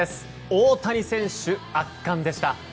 大谷選手、圧巻でした。